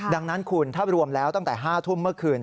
ดังนั้นคุณถ้ารวมแล้วตั้งแต่๕ทุ่มเมื่อคืน